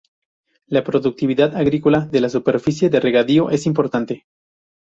La productividad agrícola de la superficie de regadío es importante.